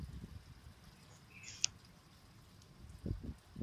এত তাড়াতাড়ি ফিরে যাওয়ার হলে, এখানে এলেই বা কেন?